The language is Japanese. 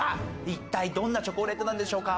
一体どんなチョコレートなんでしょうか。